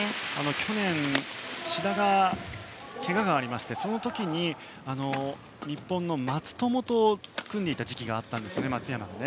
去年、志田にけががありましてその時、日本の松友と組んでいた時期があったんですね、松山は。